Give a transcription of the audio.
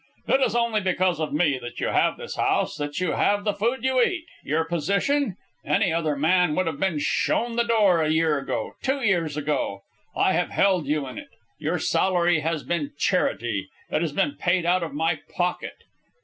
"It is only because of me that you have this house, that you have the food you eat. Your position? Any other man would have been shown the door a year ago two years ago. I have held you in it. Your salary has been charity. It has been paid out of my pocket.